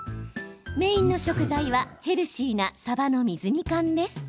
メインの食材はヘルシーな、さばの水煮缶です。